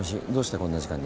こんな時間に。